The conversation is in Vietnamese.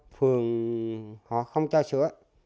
phường họ không cho sữa